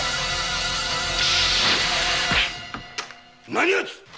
何やつ！